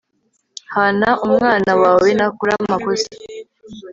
hana umwana wawe nakor amakosa